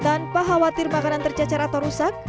tanpa khawatir makanan tercecer atau rusak